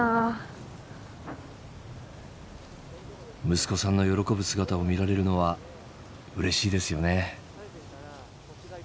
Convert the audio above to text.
息子さんの喜ぶ姿を見られるのはうれしいですよね。